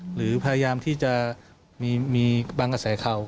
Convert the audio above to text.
หรือพยายามที่จะมีบางกระแสข่าว